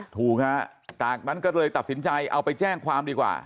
ถูกฮะจากนั้นก็เลยตัดสินใจเอาไปแจ้งความดีกว่า